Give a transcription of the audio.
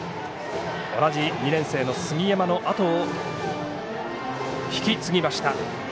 同じ２年生の杉山のあとを引き継ぎました。